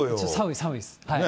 寒いです。